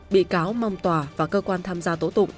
bị cáo mong tòa và cơ quan tham gia tố tụng